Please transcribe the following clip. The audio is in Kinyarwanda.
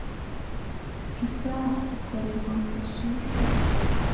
Isaha ikorerwa mu Busuwisi.